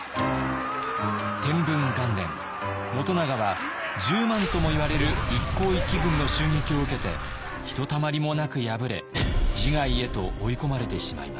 元長は１０万ともいわれる一向一揆軍の襲撃を受けてひとたまりもなく敗れ自害へと追い込まれてしまいました。